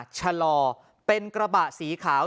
ชะลอเป็นกระบะสีขาว